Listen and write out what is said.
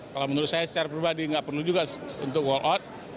kalau menurut saya secara pribadi nggak perlu juga untuk walk out